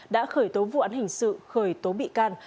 đã khởi tố vụ án hình sự khởi tố bị can